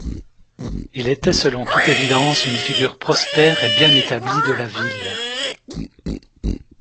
Il était selon toute évidence une figure prospère et bien établie de la ville.